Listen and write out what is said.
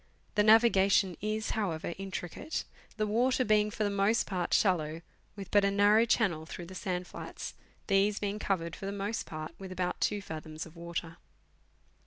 The navigation is, however, intri cate, the water being for the most part shallow, with but a narrow channel through the sand flats, these being covered lor the most part with about 2 fathoms of water.